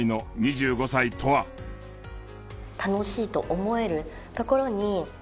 楽しいと思えるところに赴く。